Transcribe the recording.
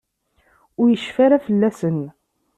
Ur yecfi ara fell-asen.